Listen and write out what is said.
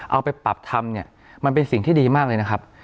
เอาไปปรับทำเนี่ยมันเป็นสิ่งที่ดีมากเลยนะครับ